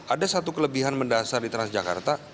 ada satu kelebihan mendasar di transjakarta